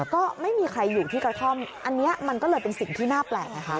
ก็ไม่มีใครอยู่ที่กระท่อมอันนี้มันก็เลยเป็นสิ่งที่น่าแปลกนะคะ